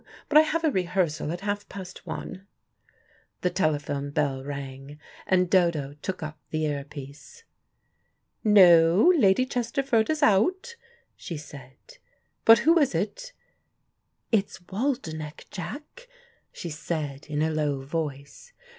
But I have a rehearsal at half past one." The telephone bell rang, and Dodo took up the ear piece. "No, Lady Chesterford is out," she said. "But who is it? It's Waldenech, Jack," she said in a low voice.